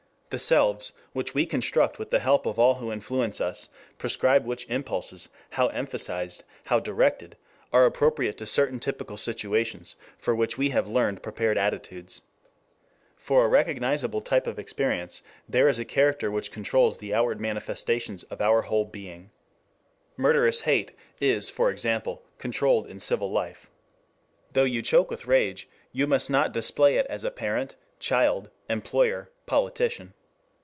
The selves, which we construct with the help of all who influence us, prescribe which impulses, how emphasized, how directed, are appropriate to certain typical situations for which we have learned prepared attitudes. For a recognizable type of experience, there is a character which controls the outward manifestations of our whole being. Murderous hate is, for example, controlled in civil life. Though you choke with rage, you must not display it as a parent, child, employer, politician.